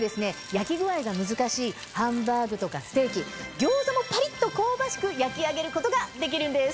焼き具合が難しいハンバーグとかステーキ餃子もパリっと香ばしく焼き上げることができるんです。